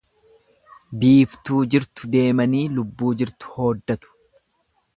Biiftuu jirtu deemanii lubbuu jirtu hooddatu.